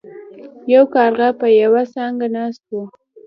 یو کارغه په یوه څانګه ناست و.